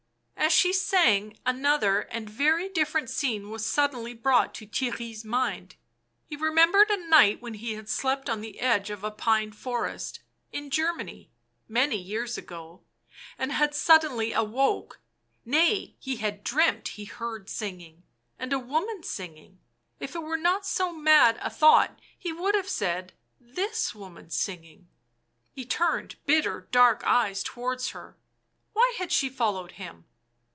As she sang, another and very different scene was suddenly brought to Theirry' s mind ; he remembered a night when he had slept on the edge of a pine forest, in Germany— many years ago — and had suddenly awoke —nay, he had dreamt he heard singing, and a woman's singing ... if it were not so mad a thought he would have said — this woman's singing. He turned bitter, dark eyes towards her — why had she followed him?